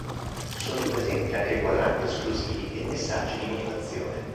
Sono presenti anche quadranti esclusivi e messaggi di motivazione.